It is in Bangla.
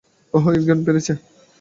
ওহ, ওর জ্ঞান ফিরেছে।